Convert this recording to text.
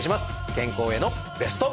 健康へのベスト。